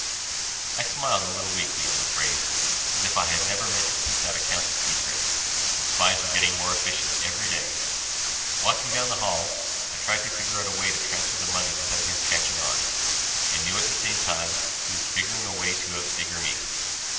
I smiled, a little weakly, I'm afraid, as if I had never meant to keep that account a secret. His spies were getting more efficient every day. Walking down the hall, I tried to figure a way to transfer the money without his catching on and knew at the same time he was figuring a way to outfigure me.